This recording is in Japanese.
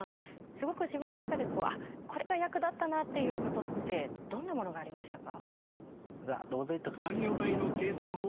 すごく自分の中でこれが役立ったなっていうことってどんなものがありましたか？